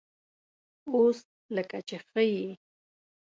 _اوس لکه چې ښه يې؟